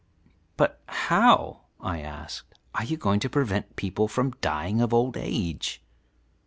"But how," I asked, "are you going to prevent people from dying of old age?"